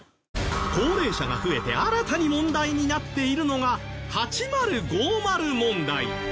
高齢者が増えて新たに問題になっているのが８０５０問題。